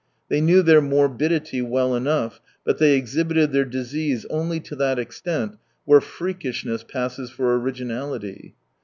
They knew their morbidity well enough, but they exhibited their disease only to that extent where freakishness passes for originality.